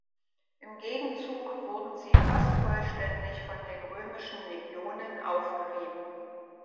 Im Gegenzug wurden sie fast vollständig von den römischen Legionen aufgerieben.